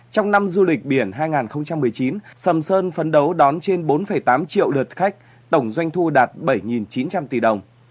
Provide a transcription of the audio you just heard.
trong năm du lịch biển hai nghìn một mươi chín sầm sơn phấn đấu đón trên bốn tám triệu lượt khách tổng doanh thu đạt bảy chín trăm linh tỷ đồng